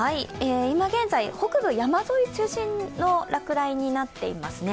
今現在、北部山沿い中心の落雷になっていますね。